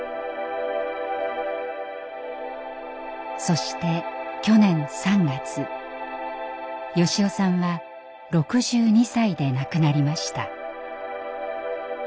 そして去年３月良雄さんは６２歳で亡くなりました。